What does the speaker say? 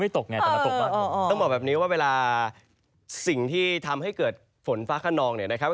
ต้องบอกแบบนี้ว่าเวลาสิ่งที่ทำให้เกิดฝนฟ้าขนองนี่นะครับ